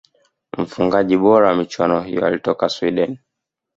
mfungaji bora wa michuano hiyo alitoka swideni